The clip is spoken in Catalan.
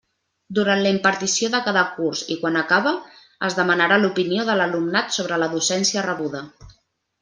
Durant la impartició de cada curs i quan acabe, es demanarà l'opinió de l'alumnat sobre la docència rebuda.